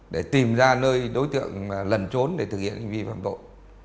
để tìm ra nơi đối tượng lần trốn để thực hiện hành vi phạm tội